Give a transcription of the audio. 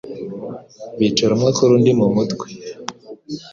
bicara umwe akora undi mu musatsi,